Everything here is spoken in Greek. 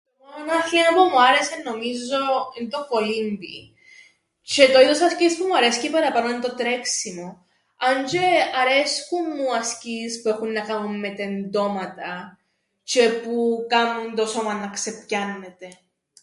Το μόνον άθλημα που μου άρεσεν νομίζω εν' το κολύμπιν τζ̌αι το είδος άσκησης που μ’ αρέσκει παραπάνω εν' το τρέξιμον, αν τζ̌αι αρέσκουν μου οι ασκήσεις που έχουν να κάμουν με τεντώματα τζ̌αι που κάμνουν το σώμαν να ξεπιάννεται.